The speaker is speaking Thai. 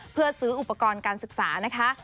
เพื่อซื้ออุปกรณ์การศึกษานะคะ